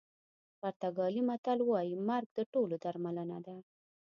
پرتګالي متل وایي مرګ د ټولو درملنه ده.